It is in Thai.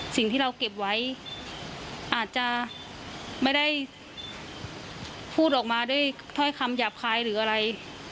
สิ่งที่เราเก็บไว้อาจจะไม่ได้พูดออกมาด้วยถ้อยคำหยาบคายหรืออะไร